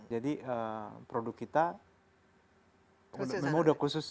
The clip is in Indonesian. jadi produk kita memudah khusus